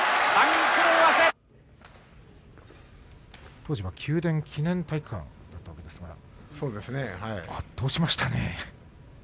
当時は九電記念体育館だったわけですが圧倒しましたね。